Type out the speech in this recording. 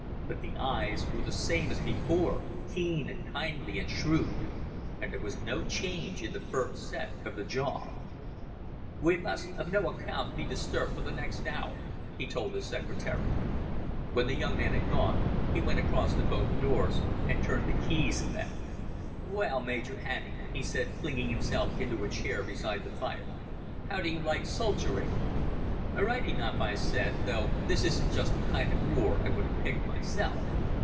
But the eyes were the same as before, keen and kindly and shrewd, and there was no change in the firm set of the jaw. "We must on no account be disturbed for the next hour," he told his secretary. When the young man had gone he went across to both doors and turned the keys in them. "Well, Major Hannay," he said, flinging himself into a chair beside the fire. "How do you like soldiering?" "Right enough," I said, "though this isn't just the kind of war I would have picked myself.